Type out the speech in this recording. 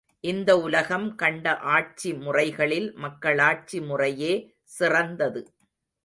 இந்த உலகம் கண்ட ஆட்சி முறைகளில் மக்களாட்சி முறையே சிறந்தது.